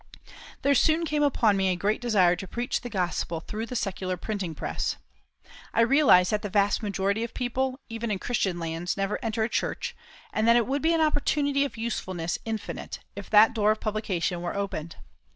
There soon came upon me a great desire to preach the Gospel through the secular printing press. I realised that the vast majority of people, even in Christian lands, never enter a church, and that it would be an opportunity of usefulness infinite if that door of publication were opened.